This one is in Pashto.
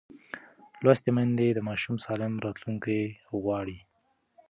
لوستې میندې د ماشوم سالم راتلونکی غواړي.